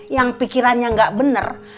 yang pikirannya gak bener